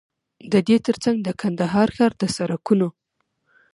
ددې تر څنګ د کندهار ښار د سړکونو